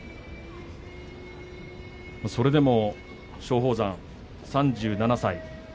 それでも松鳳山、３７歳。